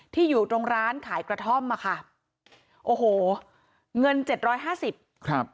ที่อยู่ตรงร้านขายกระท่อมมาค่ะโอ้โหเงิน๗๕๐บาทครับ